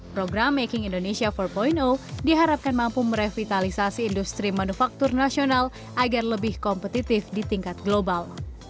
program making indonesia empat diharapkan mampu merevitalisasi industri manufaktur nasional agar lebih kompetitif di tingkat global